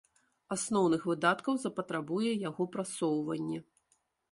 Асноўных выдаткаў запатрабуе яго прасоўванне.